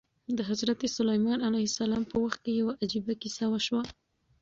د حضرت سلیمان علیه السلام په وخت کې یوه عجیبه کیسه وشوه.